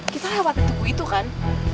kita lewatin tugu itu kan